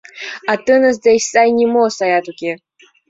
А тыныс деч сай нимо саят уке.